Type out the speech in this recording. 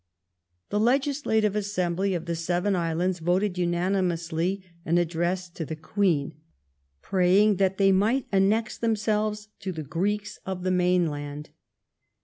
The Legislative Assembly of the Seven Islands voted unanimously an address to the Queen, praying that they might annex themselves to the Greeks of the mainland.